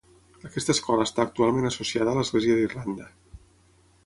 Aquesta escola està actualment associada a l'Església d'Irlanda.